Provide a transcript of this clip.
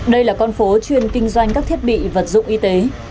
đây là con phố chuyên kinh doanh các thiết bị vật dụng y tế